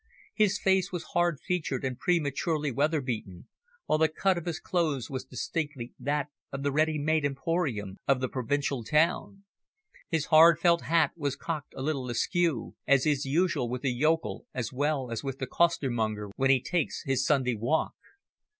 His face was hard featured and prematurely weather beaten, while the cut of his clothes was distinctly that of the "ready made" emporium of the provincial town. His hard felt hat was cocked a little askew, as is usual with the yokel as well as with the costermonger when he takes his Sunday walk.